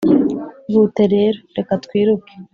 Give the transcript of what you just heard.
ihute rero! reka twiruke!